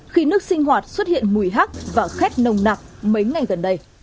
khi nước sinh hoạt xuất hiện mùi hắt và khét nồng nặng mấy ngày gần đây